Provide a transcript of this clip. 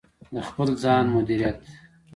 د خپل ځان مدیریت: